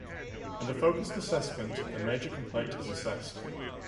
In the focused assessment, the major complaint is assessed.